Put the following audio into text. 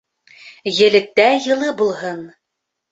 Електә йылы булһын.